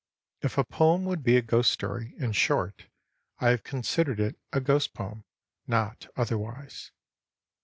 If a poem would be a ghost stoiy, in short, I have considered it a ghost poem, not otherwise.